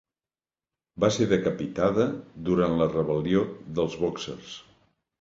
Va ser decapitada durant la Rebel·lió dels bòxers.